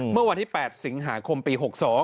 เมื่อวันที่๘สิงหาคมปี๖๒